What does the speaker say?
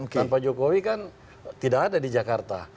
tanpa jokowi kan tidak ada di jakarta